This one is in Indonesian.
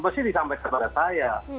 mesti disampaikan kepada saya